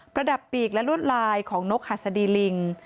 ระดับปีกและลวดลายของนกหัสดีลิง